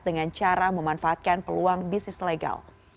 dengan cara memanfaatkan peluang bisnis legal